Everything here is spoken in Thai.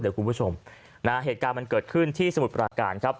เหลือคุณผู้ชมเหตุการณ์เกิดขึ้นที่สมุดประการ